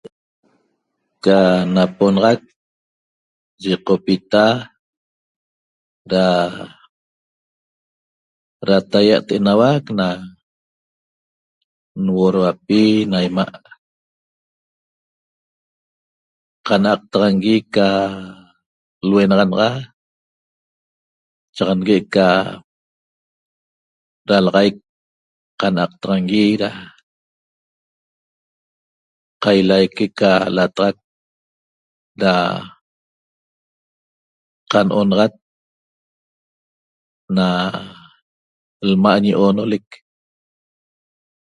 Ca napoxac yiqopita da dataia't enauac na nuhoduapi na 'ima' qan'aqtaxangui ca luenaxanaxa chaq negue't ca dalaxaic qan'aqtaxangui da qailaique ca lataxac da qan'onaxat na lma' ñi oonolec